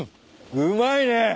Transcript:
うまいね。